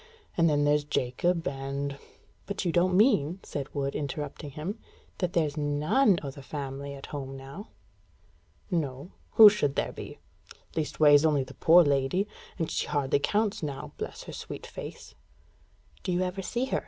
And then there's Jacob and " "But you don't mean," said Wood, interrupting him, "that there's none o' the family at home now?" "No. Who should there be? Least ways, only the poor lady. And she hardly counts now bless her sweet face!" "Do you ever see her?"